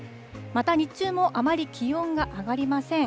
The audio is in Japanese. また、日中もあまり気温が上がりません。